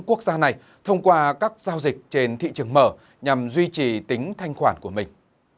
quốc gia này thông qua các giao dịch trên thị trường mở nhằm duy trì tính thanh khoản của mình